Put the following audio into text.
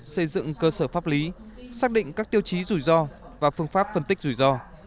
xây dựng cơ sở pháp lý xác định các tiêu chí rủi ro và phương pháp phân tích rủi ro